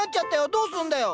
どうすんだよ！